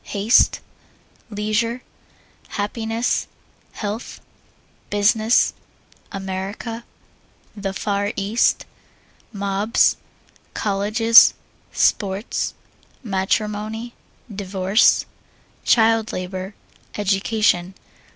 Haste. Leisure. Happiness. Health. Business. America. The Far East. Mobs. Colleges. Sports. Matrimony. Divorce. Child Labor. Education.